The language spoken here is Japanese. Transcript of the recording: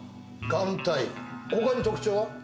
眼帯他に特徴は？